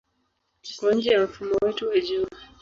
Iko nje ya mfumo wetu wa Jua.